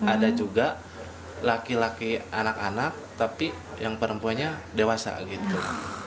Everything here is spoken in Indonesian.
ada juga laki laki anak anak tapi yang perempuannya dewasa gitu